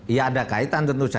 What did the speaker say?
ya ada kaitan tentu saja